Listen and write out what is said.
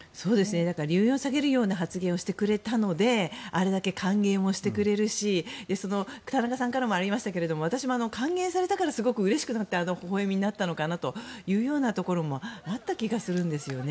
留飲を下げるような発言をしてくれたのであれだけ歓迎もしてくれるし田中さんからもありましたが私も歓迎されたからうれしくなってあの微笑みになったのかなというようなところもあった気がするんですよね。